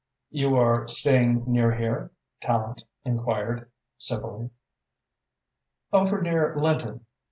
"You are staying near here?" Tallente enquired civilly. "Over near Lynton.